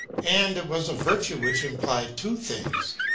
And it was a virtue which implied two things.